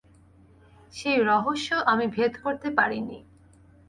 সেই রহস্য আমি ভেদ করতে পারি নি।